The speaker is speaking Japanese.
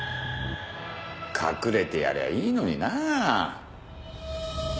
隠れてやりゃいいのになぁ。